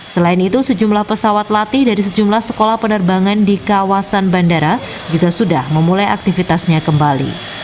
selain itu sejumlah pesawat latih dari sejumlah sekolah penerbangan di kawasan bandara juga sudah memulai aktivitasnya kembali